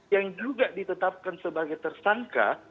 yang juga ditetapkan sebagai tersangka